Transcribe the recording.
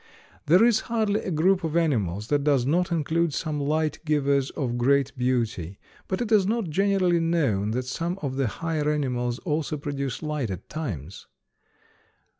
There is hardly a group of animals that does not include some light givers of great beauty; but it is not generally known that some of the higher animals also produce light at times.